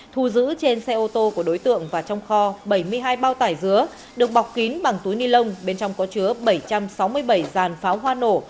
thu giữ trên xe ô tô của đối tượng và trong kho bảy mươi hai bao tải dứa được bọc kín bằng túi ni lông bên trong có chứa bảy trăm sáu mươi bảy dàn pháo hoa nổ